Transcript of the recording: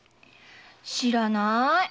知らなぁい。